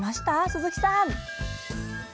鈴木さん！